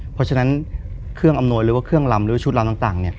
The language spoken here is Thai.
เพราะฉะนั้นเครื่องอำนวยหรือว่าเครื่องลำหรือชุดลำต่าง